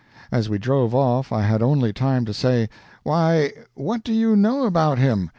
As we drove off I had only time to say, 'Why, what do you know about him?'